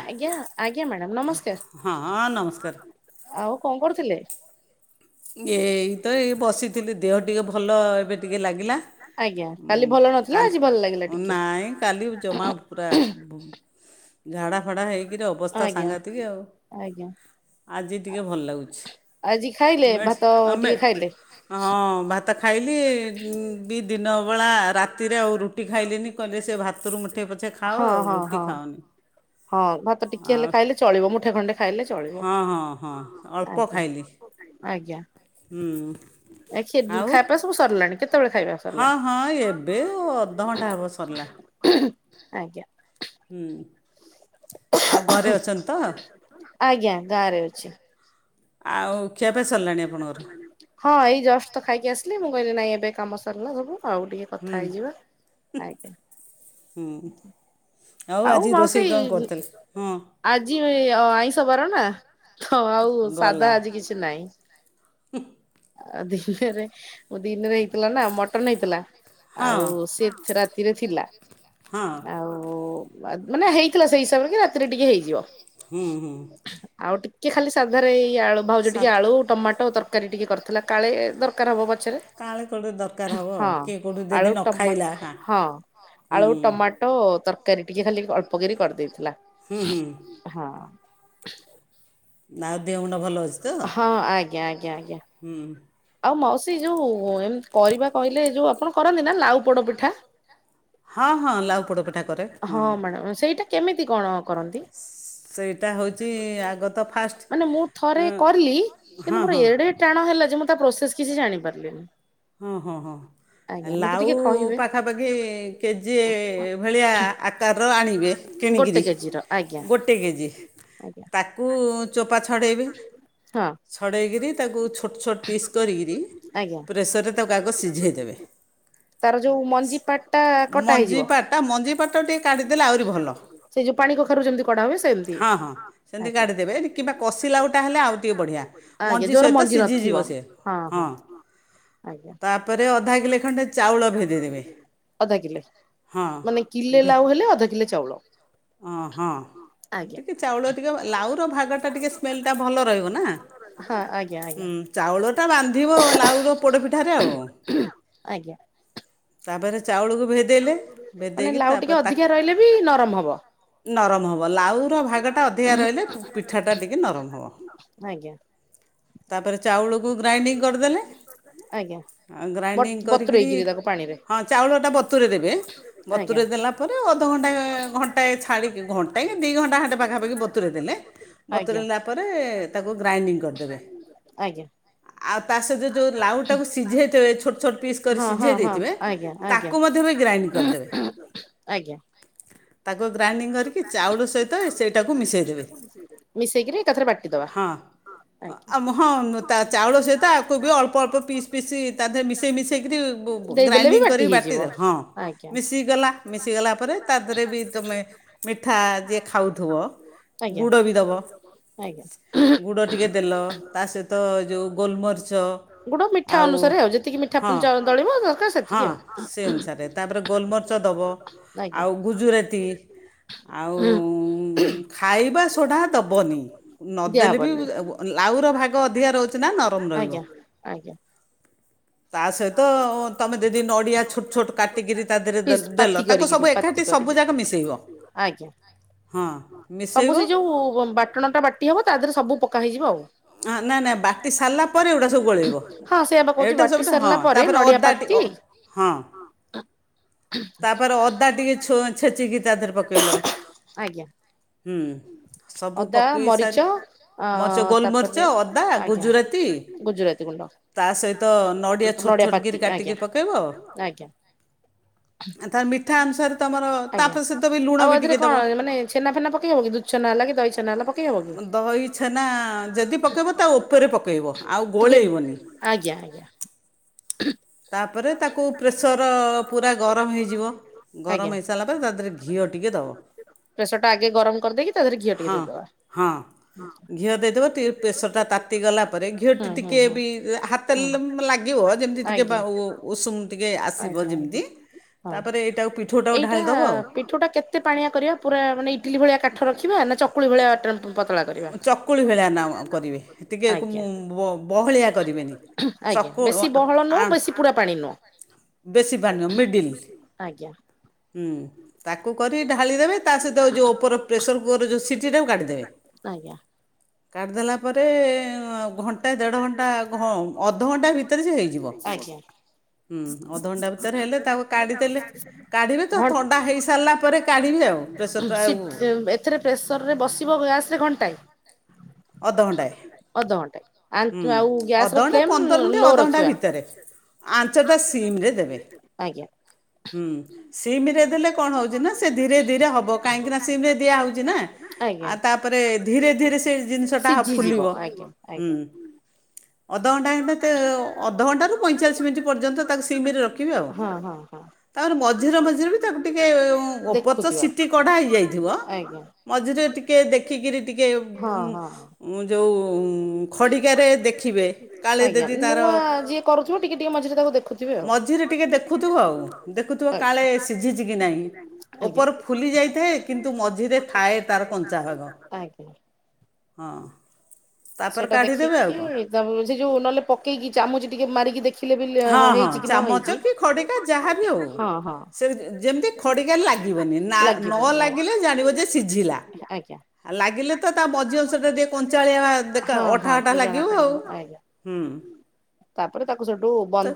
ଆଜ୍ଞା ଆଜ୍ଞା ମ୍ୟାଡାମ ନମସ୍କାର [inaudible] ଆଉ କଣ କରୁଥିଲେ ଏଇ ତ ଏଇ ବସିଥିଲି ଦେହ ଟିକେ ଭଲ ଏବେ ଟିକେ ଲାଗିଲା କାଲି ନାଇଁ କାଲି ଜମା ପୁରା ଝାଡ଼ା ଫଡ଼ା ହେଇକିରି ଅବସ୍ଥା ସାଙ୍ଗାତିକ ଆଉ ଆଜି ଟିକି ଭଲ ଲାଗୁଛି। ଆଜି ଖାଇଲେ ଭାତ ଟିକେ ଖାଇଲେ ହଁ ଭାତ ଖାଇଲି ବି ଦିନବେଳା ରାତିରେ ଆଉ ରୁଟି ଖାଇଲିନି କହିଲେ ସେ ଭାତରୁ ମୁଠେଇ ପଛେ ଖାଅ ଆଉ ରୁଟି ଖାଉନ। ହଁ ଭାତ ଟିକେ ହେଲେ ଖାଇଲେ ଚଳିବ ମୁଠେ ଖଣ୍ଡେ ଖାଇଲେ ଚଳିବ ଆଜ୍ଞା ଆଜ୍ଞା। ହୁଁ ଆ ଖାଇବା ସବୁ ସରିଲାଣି କେତେ ହଁ ହଁ ଏବେ ଆ ଅଧଘଣ୍ଟା ହେବ ସରିଲା ଆଜ୍ଞା। ହୁଁ ଆଉ ଘରେ ଅଛନ୍ତି ତ ଆଉ କେବେ ସରିଲାଣି ଆପଣଙ୍କର ହଁ ଏଇ ଜଷ୍ଟ ତ ଖାଇକି ଆସିଲି ମୁଁ କହିଲି ନାଇଁ ଏବେ କାମ ସରିଲା ସବୁ ଆଉ ଟିକେ କଥା ହେଇଯିବା। ଆଜ୍ଞା, ହୁଁ ଆଉ ଆଜି ରୋଷେଇ କଣ କରୁଥିଲି। ହଁ, ଆଜି ଅ ଆଇଁଷ ବାର ନା ତ ଆଉ ସାଧା ଆଜି କିଛି ନାହିଁ। [inaudible] ଆ ଦିନରେ ଦିନରେ ହେଇଥିଲା ନା ମଟନ ହେଇଥିଲା ଆଉ ସେ ରାତି ରାତିରେ ଥିଲା। ହଁ। ଆଉ ମା ମାନେ ହେଇଥିଲା ସେଇ ହିସାବରେ କି ରାତିରେ ଟିକେ ହେଇଯିବ। ଆଉ ଟିକେ ଖାଲି ସାଧାରାରେ ଏଇ ଆଳୁ ଭାଉଜ ଟିକେ ଆଳୁ ଟମାଟୋ ତରକାରୀ ଟିକେ କରି ଥିଲା କାଳେ ଦରକାର ହବ କାଳେ କୋଉଠି ଦରକାର ହବ ଆଉ କିଏ କୋଉଠି ଦଦି ନ ଖାଇଲା ହାଁ। ହୁଁ, ଟମାଟୋ ତରକାରୀ ଟିକେ ଖାଲି ଅଳ୍ପ କରି କରିଦେଇଥିଲା। ହୁଁ, ହୁଁ। ହଁ। ନାଁ ଦେ [unintelligible] ହଁ, ଆଜ୍ଞା- ଆଜ୍ଞା-ଆଜ୍ଞା। ହୁଁ। ଆଉ ମାଉସୀ ଯୋଉ ଏ କରିବା କହିଲେ ଯୋଉ ଆପଣ କରନ୍ତି ନା ଲାଉ ପୋଡ ପିଠା। [unintelligible] ହଁ ମ୍ୟାଡାମ ସେଇଟା କେମିତି କଣ କରନ୍ତି। ମାନେ ମୁଁ ଥରେ କଲି କିନ୍ତୁ ମୋର ଏଡେ ଟାଣ ହେଲା ଯେ ମୁଁ ତା ପ୍ରୋସେସ କିଛି ଜାଣି ପାରିଲିନି ହଁ, ହଁ, ହଁ। ଲାଉ ପାଖାପାଖି କେଜି ଭଳିଆ ଆକାରର ଆଣିବେ। ଗୋଟେ କେଜି ର। ଗୋଟେ କେଜି ତାକୁ ଚୋପା ଛଡ଼େଇବେ। ଛଡ଼େଇକରି ତାକୁ ଛୋଟ ଛୋଟ ପିସ୍ କରିକରି ପ୍ରେସରରେ ତାକୁ ଆଗ ସିଝାଇଦେବେ। ମଞ୍ଜିପାଟ ମଞ୍ଜିପାଟ ଟିକେ କାଢିଦେଲେ ଆହୁରି ଭଲ। ହଁ ହଁ ସେମିତି କାଡ଼ି ଦେବେ କିମ୍ବା କଷି ଲାଉଟା ହେଲେ ଆଉ ଟିକେ ବଢିଆ। ମଞ୍ଜି ସହିତ ସିଝିଯିବ ସେ। ହଁ ତାପରେ ଅଧା କିଲେ ଖଣ୍ଡେ ଚାଉଳ ଭେଦେଇ ଦେବେ। ଅଧକିଲେ ମାନେ କିଲେ ଲାଉ ହେଲେ ଅଧକିଲେ ଚାଉଳ। ଅଁ, ହଁ। ଟିକି ଚାଉଳ ଟିକେ ଲାଉର ଭାଗଟା ଟିକେ ସ୍ମେଲ୍ଟା ଭଲ ରହିବ ନା। ହଁ, ଆଜ୍ଞା, ଆଜ୍ଞା। ଚାଉଳଟା ବାନ୍ଧିବ ଲାଉର ପୋଡ଼ପିଠାରେ ଆଉ। ତାପରେ ଚାଉଳକୁ ଭେଦେଇଲେ ଭେଦେଇକି ତାପରେ ତାକୁ ବି ନରମ ହବ। ନରମ ହେବ ଲାଉର ଭାଗଟା ଅଧିକା ରହିଲେ ପିଠାଟା ଟିକେ ନରମ ହବ। ଆଜ୍ଞା। ତାପରେ ଚାଉଳକୁ ଗ୍ରାଇଣ୍ଡିଙ୍ଗ କରିଦେଲେ। ଆଉ ଗ୍ରାଇଣ୍ଡିଙ୍ଗ କରିକିରି ହଁ ଚାଉଳଟା ବତୁରେଇ ଦେବେ। ବତୁରେଇ ଦେଲା ପରେ ଅଧଘଣ୍ଟା ଘଣ୍ ଟ ଛାଡିକି ଘଣ୍ଟା ଦି ଘଣ୍ଟା ହାଟେ ପାଖାପାଖି ବତୁରେଇ ଦେଲେ ବତୁରେଇଲା ପରେ ତାକୁ ଗ୍ରାଇଣ୍ଡିଂ କରିଦେବେ। ଆଜ୍ଞା। ଆଉ ତା ସହିତ ଯୋଉ ଲାଉଟାକୁ ସିଝେଇଥେବେ ଛୋଟ ଛୋଟ ପିସ୍ କରି ସିଝେଇ ଦେଇଥିବେ ତାକୁ ମଧ୍ୟ ବି ଗ୍ରାଇଣ୍ଡଂ କରିଦେବେ। ଆଜ୍ଞା। ତାକୁ ଗ୍ରାଇଣ୍ଡିଂ କରିକି ଚାଉଳ ସହିତ ସେଇଟାକୁ ମିଶେଇ ଦେବେ ମିଶେଇକିନି ତାପରେ ହଁ। ଆ ଆମ ହଁ ନ ତା ଚାଉଳ ସହିତ ଆକୁ ବି ଅଳ୍ପ ଅଳ୍ପ ପିସ୍ ପିସି ତା ଧିଏରେ ମିଶେଇ ମିଶେଇ କରି ବୁ ବୁ ଗ୍ରାଇଣ୍ଡିଂ କରିକି ବାଟି ଦେଲ ହଁ ମିଶିଗଲା ମିଶିଗଲା ପରେ ତାଧେରେ ବି ତମେ ମିଠା ଯିଏ ଖାଉଥୁବ ଗୁଡ ବି ଦବ। ଗୁଡ ଟିକେ ଦେଲ ତା ସହିତ ଯୋଉ ଗୋଲମରିଚ ଗୁଡ ମିଠା ଅନୁସାରେ ଆଉ ଯେତିକି ମିଠା ପୁଁ ଚ ଦଳିବ ଦରକାର ସେତିକି ଆଉ। ତାପରେ ଗୋଲମରିଚ ଦବ। ଆଜ୍ଞା। ଗୁଜୁରାତି ଆଉ ଉଁ ଖାଇବା ସୋଢା ଦବନି। ନଦେଲେ ବି [unintelligible] ଲାଉର ଭାଗ ଅଧିକା ରହୁଛି ନା ନରମ ରହିବ। ଆଜ୍ଞା। ତା ସହିତ ଉଁ ତମେ ଯଦି ନଡିଆ ଛୋଟ ଛୋଟ କାଟି କିରି ତା ଦେହରେ ଦେଲ୍ ଦେଲ ତାକୁ ସବୁ ଏକାଠି ସବୁ ଯା କ ମିଶେଇବ ହଁ। ସବୁ ସେ ଯୋଉ ଉଁ ବାଟଣଟା ବାଟି ହବ ତାଧେରେ ସବୁ ପକା ହେଇଯିବ ଆଉ। ଉଁ ହଁ ନା ନା ବାଟି ସାରିଲା ପରେ ଏଗୁଡା ସବୁ ଗୋଳେଇବ ଏଇଟା ସବୁ ତ ହଁ ତାପରେ ଅଦା ଟି ଅ ହଁ। ତାପରେ ଅଦା ଟିକେ ଛୋ ଛେଚିକି ତା ଧିଏରେ ପକେଇଲ। ହୁଁ ସବୁ ପକେଇ ସାରି ମରିଚ ମରିଚ ଗୋଲମରି ଚ ଅଦା ଗୁଜୁରାତି ତା ସହିତ ନଡିଆ ଛୋଟ ଛୋଟ କରି କାଟିକି ପକେଇବ। ଆଁ ତାର ମିଠା ଅନୁସାରେ ତମର ତା ପ୍ରତିଶତ ବି ଲୁଣ ବି ଟିକେ ଦବ। ଛେନା ଫେନା ପକେଇ ହବ କି ଦୁଧ ଛେନା ହେଲା କି ଦହି ଛେନା ହେଲା ପକେଇବ କି ହଁ ଦହି ଛେନା ପକେଇବ ତା ଓପେରେ ପକେଇବ ଆଉ ଗୋଳେଇବନି। ଆଜ୍ଞା ଆଜ୍ଞା। ତାପରେ ତାକୁ ପ୍ରେସର ପୁରା ଗରମ ହେଇଯିବ ଗରମ ହେଇସାଇଲା ପରେ ତା ଧିଏରେ ଘିଅ ଟିକେ ଦବ ତ ସେଟା ଆଗେ ଗରମ କରିଦେଇକି ହଁ ହଁ। ଘିଅ ଦେଇ ଦବ ତିକେ ପ୍ରେସରଟା ତାତିଗଲା ପରେ ଘିଅଟି ଟିକିଏ ବି ଏ ହା ତେଲ ଉଁ ଲାଗିବ ଯେମତି ଟିକେ ବା ଉ ଉଷୁମ ଟିକେ ଆସିବ ଯେମିତି ହଁ ଏଇଟା ପିଠଉଟା କେତେ ପାଣିଆ କରିବା ପୁରା ମାନେ ଇଟିଲି ଭଳିଆ କାଠ ରଖିବା ନା ଚ ଚକୁଳି ଭଳିଆ [unintelligible] ପତଳା କରିବା ଚକୁଳି ଭଳିଆ ନାଉ କରିବେ ଆଜ୍ଞା ବ ବହଳିଆ କରିବେ। ଆଜ୍ଞା ବେଶୀ ବହଳ ନୁଅଁ ବେଶୀ ପୁରା ପାଣି ନୁଅଁ। ବେଶୀ ପାଣି ନୁହଁ ମିଡିଲ୍। ଆଜ୍ଞା। ହୁଁ ତାକୁ କରିକି ଢାଳିଦେବେ ତା ସହିତ ଯୋଉ ଓପର ପ୍ରେସର କୁକରର ଯୋଉ ସିଟିଟାକୁ କାଢିଦେବେ। ଆଜ୍ଞା। ଢାଳିଦେଲା ପରେ ଘ ଘଣ୍ଟାଏ ଦେଢଘଣ୍ଟା ଅ ଅଧଘଣ୍ଟା ଭିତେରେ ବି ହେଇଯିବ ଆଜ୍ଞା। ହୁଁ ଅଧଘଣ୍ଟା ଭିତେରେ ହେଲେ ତାକୁ କାଢିଦେଲେ କାଢିବେ ତ ଥଣ୍ଡା ହେଇସାରିଲା ପରେ କାଢିବି ଆଉ ପ୍ରେସରଟାକୁ। ଥିରେ ପ୍ରେସରରେ ବସିବ ଗ୍ୟାସରେ ଘଣ୍ଟାଏ ଅଧଘଣ୍ଟାଏ ଅଧଘଣ୍ଟାଏ। ଆଲ୍ କି ଆଉ ଗ୍ୟାସର ଫ୍ଲେମ୍ ଲୋ ରଖିବା। ଆଜ୍ଞା। ହୁଁ ସିମ୍ ରେ ଦେଲେ କଣ ହେଉଛି ନା ସେ ଧୀରେ ଧୀରେ ହେବ କାହିଁକିନା ସିମ୍ ଦିଆହେଉଛି ନା। ଆଉ ତାପରେ ଧୀରେ ଧୀରେ ସେ ଜିନିଷଟା ଫୁଲିବ ହୁଁ। ଅଧଘଣ୍ଟା ଘଣ୍ଟାଏ ଅଧଘଣ୍ଟାରୁ ପଇଁଚାଳିଶି ମିନିଟ୍ ପର୍ଯ୍ୟନ୍ତ ତାକୁ ସିମିରେ ରଖିବେ ଆଉ। ହଁ ହଁ ହଁ। ତାପରେ ମଝିରେ ମଝିରେ ବି ତାକୁ ଟିକେ ଉପର ତ ସିଟି କଢା ହେଇଯାଇଥିବ ମଝିରେ ଟିକିଏ ଦେଖିକିରି ଟିକିଏ ଯେଉଁ ଖଡ଼ିକାରେ ଦେଖିବେ। ଆଜ୍ଞା ନୂଆ ଯିଏ କରୁଥିବ ଟିକେ ମଝିରେ ଟିକେ ଦେଖୁଥିବ ଆଉ ଦେଖୁଥିବ କାଳେ ସିଝିଛି କି ନାହିଁ। ଉପର ଫୁଲି ଯାଇଥାଏ କିନ୍ତୁ ମଝିରେ ଥାଏ ତାର କଞ୍ଚା ଭାଗ। ଆଜ୍ଞା। ହଁ ତାପରେ କାଢ଼ିଦେବେ ଆଉ କଣ। ତା ସେ ଯୋଉ ନହଲେ ପକେଇ କି ଚାମୁଚ ଟିକେ ମାରିକି ଦେଖି ହଁ ହଁ ଚାମଚ କି ଖଡିକା ଯାହାବି ହଉ ସେ ଯେମିତି ଖଡ଼ିକା ରେ ଲାଗିବନି ନା ନ ଲାଗିଲେ ଜାଣିବ ଯେ ସିଝିଲା। ଆଜ୍ଞା। ଆଉ ଲାଗିଲେ ତ ତା ମଝି ଅଂଶ ଟା ଟିକେ କଞ୍ଚାଳିଆ ଆ ଦେଖ ଅଠା ଅଠା ଲାଗିବ ଆଉ ହୁଁ। ତ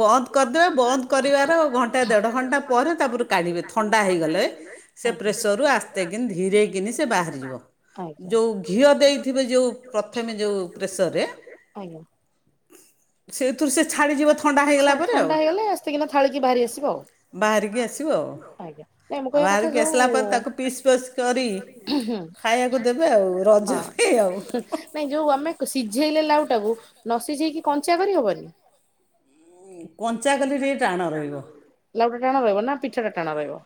ବନ୍ଦ କରିଦେବା ବନ୍ଦ କରିବାର ଘଣ୍ଟା ଦେଢ ଘଣ୍ଟା ପରେ ତାପରେ କାଢିବେ ଥଣ୍ଡା ହେଇଗଲେ ସେ ପେସରରୁ ଆସ୍ତେ କିନା ଧିରେ କିନା ବାହାରି ଯିବ। ଆଜ୍ଞା। ଘିଅ ଦେଇଥିବେ ଯୋଉ ପ୍ରଥମେ ଯୋଉ ପ୍ରେସରରେ ଆଜ୍ଞା। ଛାଡ ଥଣ୍ଡା ହେଇଗଲେ ଆସ୍ତେକି ଥାଳିକି ବାହାରି ଆସିବ ଆଉ। ବାହାରିକି ଆସିବ ଆଉ ବାହାରିକି ଆସିଲା ପରେ ତାକୁ ପିସ୍ ପାସ୍ କରି ଖାଇବାକୁ ଦେବେ ଆଉ ରଜ ପାଇଁ ଆଉ। ନାଇଁ ଯୋଉ ଆମେ ସିଝେଇଲେ ଲାଉ ଟାକୁ ନ ସିଝେଇକି କଞ୍ଚା କରିହବନି? କଞ୍ଚା କଲେ ଟିକେ ଟାଣ ରହିବ। ଲାଉଟା ଟାଣ ରହିବ ନା ପିଛା ଟା ଟାଣ ରହିବ?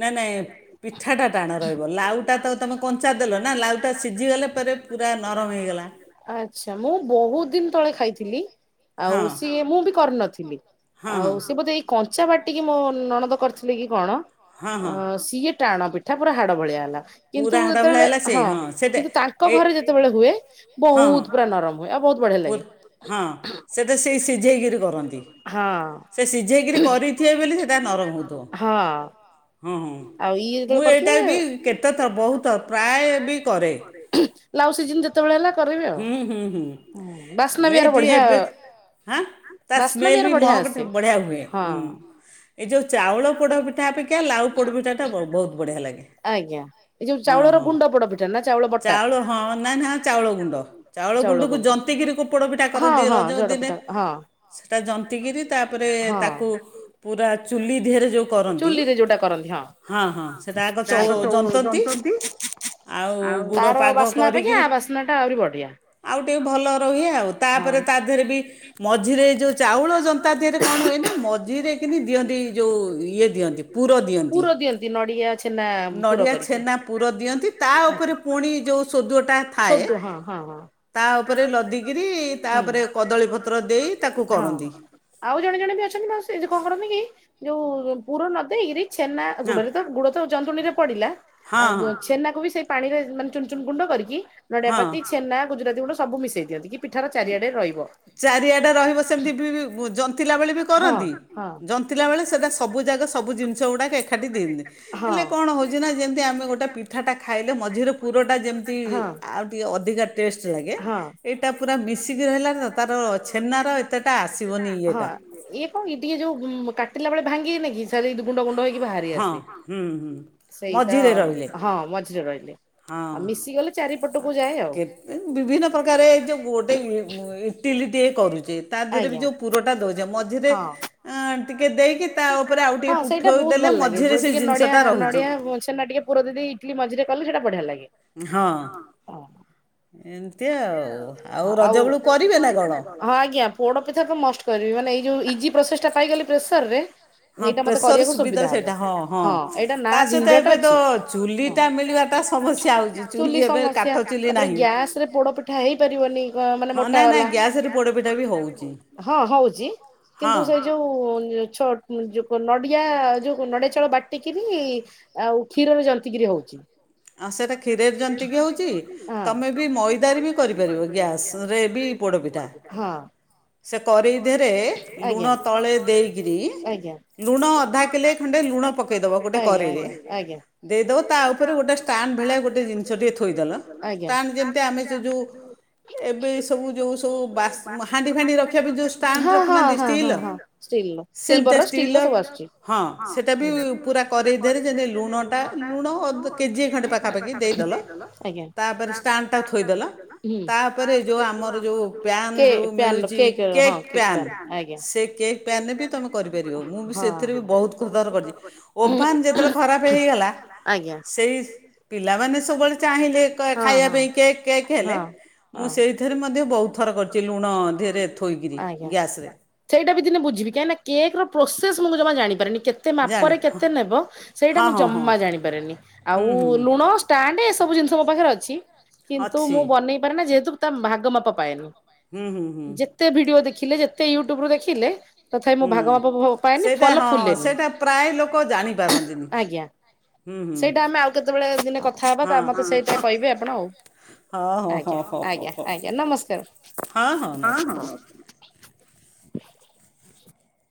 ନାଇଁ ନାଇଁ ପିଠାଟା ଟାଣ ରହିବ ଲାଉଟା ତ ତମେ କଞ୍ଚା ଦେଲ ନା ଲାଉଟା ସିଝିଗଲେ ପରେ ପୁରା ନରମ୍ ହେଇଗଲା। ଆଚ୍ଛା ମୁଁ ବହୁତ୍ ଦିନ ତଳେ ଖାଇଥିଲି ଆଉ ସିଏ ମୁଁ ବି କରିନଥିଲି। ଆଉ ସେ ବୋଧେ ଏଇ କଞ୍ଚା ବାଟିକି ମୋ ନଣନ୍ଦ କରିଥିଲେ କି କଣ ହଁ ହଁ। ସିଏ ଟାଣ ପିଠା ପୁରା ହାଡ ଭଳିଆ ହେଲା କିନ୍ତୁ ଯେତେବେଳେ ହଁ। ତାଙ୍କ ଘରେ ଯେତେବେଳେ ହୁଏ ବହୁତ୍ ପୁରା ନରମ୍ ହୁଏ ଆଉ ବହୁତ ବଢିଆ ଲାଗେ। ସେଇଟ ସିଏ ସିଝେଇ କିରି ଦବ ହଁ ସିଏ ସିଝେଇ କିରି କରି ଦିଏ ବୋଲି ସେଟା ନରମ ହଁ। ହଁ ମୁଁ ଏଇଟା ବି କେତେତ ବହୁତ ପ୍ରାଏ ବି କରେ। ହୁଁ ହୁଁ ହୁଁ ହେଲେ ଏଠି ଏବେ ଆଁ ତା ସ୍ମେଲ୍ ବି ମହକଟା ବଢ଼ିଆ ହୁଏ। ଏଇ ଯୋଉ ଚାଉଳ ପୋଡ଼ପିଠା ଅପେକ୍ଷା ଲାଉ ପୋଡ଼ପିଠାଟା ବ ବହୁତ୍ ବଢ଼ିଆ ଲାଗେ। ଆଜ୍ଞା ଏଇ ଯୋଉ ଚାଉଳର ଗୁଣ୍ଡ ପୋଡପିଠା ନା ଚାଉଳ ଚାଉଳ ହଁ ନାଁ ନାଁ ଚାଉଳ ଗୁଣ୍ଡ। ଚାଉଳ ଗୁଣ୍ଡକୁ ଜନ୍ତିକିରି କୋ ପୋଡ଼ ପିଠା କରନ୍ତି ରଜ ଦିନେ ସେଟା ଜନ୍ତିକିରି ତାପରେ ତାକୁ ପୁରା ଚୁଲି ଦେହେରେ ଯୋଉ କରନି ଚୁଲିରେ ଯୋଉଟା କରନ୍ତି ହଁ। ହଁ ହଁ ସେଇଟା ଆଗ ଚୋଉ ଜନ୍ତନ୍ତୀ ଆଉ ଗୁଡ଼ ପାଗ କରିକିରି ନାଁଟା ଆହୁରି ବଢିଆ। ଆଉ ଟିକେ ଭଲ ରହେ ଆଉ ତାପରେ ତା ଦେହରେ ବି ମଝିରେ ଯୋଉ ଚାଉଳ ଜନ୍ତ୍ ତା ଦେହେରେ କଣ ହୁଏ ନା ମଝିରେ କିିମତି ଦିଅନ୍ତି ଯୋଉ ଇଏ ଦିଅନ୍ତି ପୁର ଦିଅନ୍ ପୁର ଦଅନ୍ତିି ନଡିଆ ଛେନା ନଡ଼ିଆ ଛେନା ପୁର ଦିଅନ୍ତି। ତା ଉପରେ ପୁଣି ଯୋଉ ସୋଦୁଅଟା ଥାଏ ତା ଉପରେ ଲଦିକିରି ତା ଉପରେ କଦଳୀପତ୍ର ଦେଇ ତାକୁ କରନ୍ତି। ଆଉ ଜଣେ ଜଣେ ବି ଅଛନ୍ତି ମାଉସୀ ଯୋଉ କଣ କରନ୍ତି କି ଯୋଉ ପୁର ନଦେଇକିରି ଛେନା ଅ ଗୁଡରେ ତ ଗୁଡ ତ ଜନ୍ତୁଣୀରେ ପଡିଲା ଆଗ ଛେନାକୁ ବି ସେଇ ପାଣିରେ ମାନେ ଚୁନ୍ ଚୁନ୍ ଗୁଣ୍ଡ କରିକି ନଡିଆପାତି ଛେନା ଗୁଜୁରାତି ଗୁଣ୍ଡ ସବୁ ମିଶେଇ ଦିଅନ୍ତି କି ପିଠାର ଚାରିଆଡେ ରଇବ। ଚାରିଆଡେ ରହିବ ସେମତି ଭି ଭି ବୋ ଜନ୍ତିଲା ବେଳେ ବି କରନ୍ତି ଜନ୍ତିଲାବେଳେ ସେଟାସ୍ ସବୁ ଯାଗ ସବୁ ଜିନିଷ ଗୁଡ଼ାକ ଏଖାଟି ଦିଅନ୍ତି ହେଲେ କଣ ହଉଚି ନାଁ ଯେମତି ଆମେ ଗୋଟେ ପିଠାଟା ଖା ଖାଇଲେ ମଝିରେ ପୁରଟା ଯେମତି ଆଉ ଟିକେ ଅଧିକା ଟେଷ୍ଟ୍ ଲାଗେ ଏଇଟା ପୁରା ମିଶିକି ରହିଲା ତ ତାର ଛେନାର ଏତେଟା ଆସିବନି ଇଏଟା। ଏଇ କଁକି ଟିକେ ଯୋଉ ବୁମ୍ କାଟିଲା ବେଳେ ଭାଙ୍ଗିନାଇକି ତାହେଲେ ଏ ଯୋଉ ଗୁଣ୍ଡ ଗୁଣ୍ଡ ହେଇକି ଭାରି ଆସେ ସେଇତ ହଁ ମଝିରେ ରହିଲେ। ଅଁ କେତେ ବିଭିନ୍ନ ପ୍ରକାରେ ଏ ଯୋଉ ଗୋଡେ ଇଏ ଉମେ୍ ଏ ଟିଲି ଟିଏ କରୁଚି ତା ଦେହରେ ବି ଯୋଉ ପୁରଟା ଦଉଚେ ମଝିରେ ‌ ଆଁ ଟିକେ ଦେଇକି ହଁ ସେଇଟା ବୋହୁତ୍ ଭଲ୍ ଲାଗେ ଯୋଉ ଟିକେ ନଡିଆ ନଡିଆ ଛେନା ଟିକେ ପୁର ଦେଇ ଦେଇ ଇଟ୍ଲି ମଝିରେ କଲୁ ସେଟା ବଢିଆ ଲାଗେ ହଁ ଅ ଏମତି ଆଉ ଆଉ ରଜ ବୁଳୁ କରିବେ ନା କଣ? ହଁ ଆଜ୍ଞା ପୋଡ଼ ପିଠା ତ ମଷ୍ଟ୍ କରିବି ମାନେ ଏଇ ଯୋଉ ଇଜି ପ୍ରୋସେସ୍‌ଟା ପାଇଗଲି ପ୍ରେସର୍ ରେ ଏଇଟା ମତେ କରିଆକୁ ସୁବିଧା ହବ। ହଁ ଏଇଟା ନା ଝିଞ୍ଝଟ୍ ଅଛି ଚୁଲି ସମସ୍ୟା ତାପରେ ଗ୍ୟାସରେ ପୋଡ଼ ପିଠା ହେଇପାରିବନି ବ ମାନେ ମୋଟା ବାଲା। ହଁ ହଉଚି କିନ୍ତୁ ସେଇ ଯୋଉ ଛଟ୍ ଯୋକ ନଡିଆ ଯୋଉ ନଡିଆ ଚାଉଳ ବାଟିକିରି ଆଉ କ୍ଷୀରରେ ଜନ୍ତିିକିରି ହଉଚି। ଆଁ ସେଟା କ୍ଷୀରେରେ ଜନ୍ତିକିି ହଉଚି ତମେ ବି ମଇ ଦାରେ ବି କରିପାରିବ ଗ୍ୟାସରେ ବି ପୋଡ଼ପିଠା। ହଁ। ସେ କରେଇ ଦେହେରେ ଲୁଣ ତଳେ ଦେଇକିରି ଲୁଣ ଅଧା କିଲେ ଖଣ୍ଡେ ଲୁଣ ପକେଇଦବ ଗୋଟେ କରେଇରେ ଦେଇଦେବ ତା ଉପରେ ଗୋଟେ ଷ୍ଟାଣ୍ଡ୍ ଭେଳିଆ ଗୋଟେ ଜିନିଷ ଟିଏ ଥୋଇଦେଲ ଷ୍ଟାଣ୍ଡ୍ ଯେମିତିଆ ଆମେ ତୋ ଯୋଉ ଏବେ ଏଇସବୁ ଯୋଉ ସବୁ ବାସ୍ ନା ହାଣ୍ଡି ଫାଣ୍ଡି ରଖିବା ପେଇଁ ଯୋଉ ଷ୍ଟାଣ୍ଡ୍ ରଖୁନାହାଁନ୍ତି ଷ୍ଟିଲର ସେମତିଆ ଷ୍ଟିଲର ହଁ ସେଇଟା ବି ପୁରା କରେଇ ଦେହେରେ ଯେମତି ଏଇ ଲୁଣଟା ଲୁଣ କେଜିଏ ଖଣ୍ଡେ ପାଖାପାଖି ଦେଇଦଲ ତାପରେ ଷ୍ଟାଣ୍ଡ୍ ଟା ଥୋଇଦଲ ତା ଉପରେ ଯୋଉ ଆମର ଯୋଉ ପ୍ୟାନ୍ ଯୋଉ ମିଳୁଚି କେକ୍ ପ୍ୟାନ୍ ସେ କେକ୍ ପ୍ୟାନ୍ ରେ ବି ତମେ କରିପାରିବ। ମୁଁ ବି ସେଥିରେ ବି ବହୁତ୍ [unintelligible] ଓଭାନ୍ ଯେତବେଳେ ଖରାପ୍ ହେଇ ହେଇ ଗଲା ସେଇ ପିଲାମାନେ ସବୁବଳେ ଚାହିଁଲେ କ ଏ ଖାଇବା ପାଇଁ କେକ୍ କେକେ ଲେ ମୁଁ ସେଇଥିରେ ମଧ୍ୟ ବହୁତ ଥର କରିଛି ଲୁଣ ଧରେ ଥୋଇକିରି ଗ୍ୟାସ ରେ। ସେଇଟା ବି ଦିନେ ବୁଝିବି କାହିଁ ନା କେ ର ପ୍ରୋସେସ ମୁଁ ଜମା ଜାଣିପାରେନି କେତେ ମାପରେ କେତେ ନେବ। ସେଇଟା ମୁଁ ଜମା ଜାଣିପାରେନି ଆଉ ଲୁଣ ଷ୍ଟାଣ୍ଡ ଏସବୁ ଜିନିଷ ମୋ ପାଖରେ ଅଛି। କିନ୍ତୁ ମୁଁ ବନେଇ ପାରେ ନା ଯେହେତୁ ତା ଭାଗ ମାପ ପାଏନି। ହୁଁ ହୁଁ ହୁଁ। କେତେ ଭିଡିଓ ଦେଖିଲେ ଯେତେ ୟୁଟ୍ୟୁବ ରୁ ଦେଖିଲେ। ତଥାପି ମୁଁ ଭାଗ ମାପ ପାଏନି ଫୁଲି ଫୁନି ଆଜ୍ଞା। ସେଇଟା ଆମେ ଆଉ କେତେବେଳେ ଦିନେ କଥା ହବା ତା ମତେ ସେଇଟା କହିବେ ଆପଣ କରିବା ଆଉ। ଆଜ୍ଞା ଆଜ୍ଞା ଆଞା ନମସ୍କାର।